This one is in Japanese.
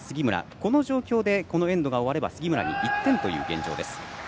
この状況でエンドが終われば杉村に１点という現状です。